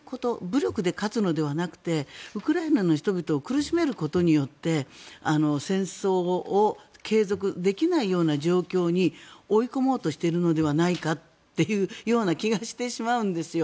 武力で勝つのではなくてウクライナの人々を苦しめることによって戦争を継続できないような状況に追い込もうとしているのではないかというような気がしてしまうんです。